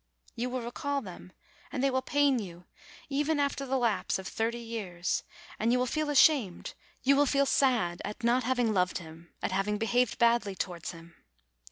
You will recall them, and they will pain you, even after the lapse of thirty years; and you will feel ashamed, you will feel sad at not having loved him, at having be haved badly towards him.